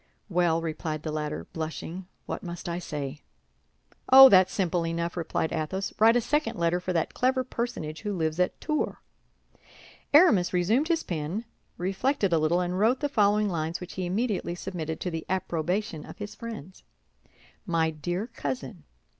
"Well," replied the latter, blushing, "what must I say?" "Oh, that's simple enough!" replied Athos. "Write a second letter for that clever personage who lives at Tours." Aramis resumed his pen, reflected a little, and wrote the following lines, which he immediately submitted to the approbation of his friends. "My dear cousin."